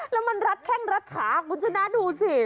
แล้วมันรัดแข้งรัดขาคุณชนะดูสิ